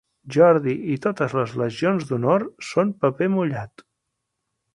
Jordi i totes les legions d'honor són paper mullat.